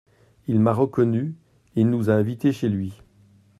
Il m’a reconnu, il nous a invités chez lui.